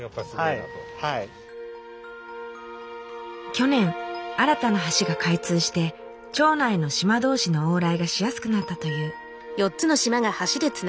去年新たな橋が開通して町内の島同士の往来がしやすくなったという。